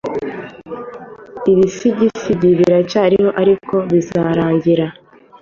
Ibisigisigi biracyariho ariko bizarangira